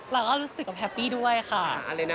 เราก็รู้สึกว่าแฮปปี้ด้วยค่ะ